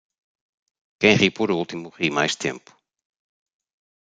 Quem ri por último, ri mais tempo.